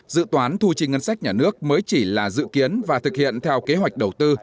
dự toán thu chi ngân sách nhà nước mới chỉ là dự kiến và thực hiện theo kế hoạch đầu tư